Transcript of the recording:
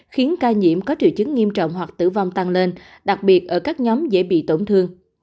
khiến ca nhiễm có triệu chứng nghiêm trọng hoặc tử vong tăng lên đặc biệt ở các nhóm dễ bị tổn thương